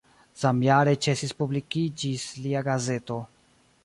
Samjare ĉesis publikiĝis lia gazeto.